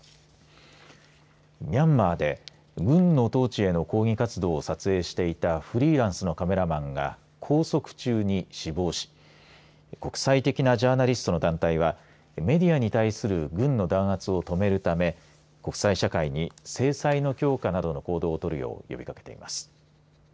ミャンマーで軍の統治への抗議活動を撮影していたフリーランスのカメラマンが拘束中に死亡し国際的なジャーナリストの団体はメディアに対する軍の弾圧を止めるため国際社会に制裁の強化などの行動を取るよう呼びかけています。